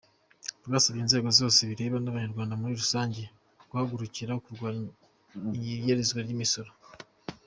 Ndasaba inzego zose bireba n’Abanyarwada muri rusange, guhagurukira kurwanya inyerezwa ry’imisoro.